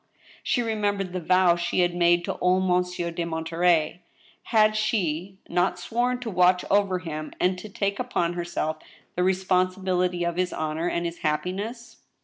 She remembered the vow she had made to old Monsieur de Monterey. Had she not sworn to watch over him, and to take upon herself the responsibility of his honor and his happiness